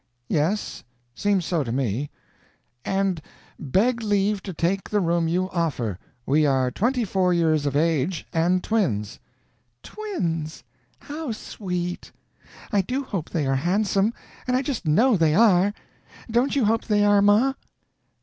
"Yes, seems so to me 'and beg leave to take the room you offer. We are twenty four years of age, and twins '" "Twins! How sweet! I do hope they are handsome, and I just know they are! Don't you hope they are, ma?"